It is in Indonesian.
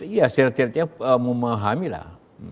iya setiap setiap memahamilah